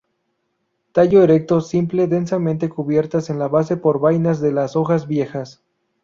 Tallo erecto, simple, densamente cubiertas en la base por vainas de las hojas viejas.